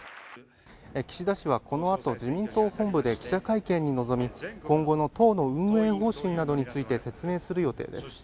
岸田氏はこの後、自民党本部で記者会見に臨み、今後の党の運営方針などについて説明する予定です。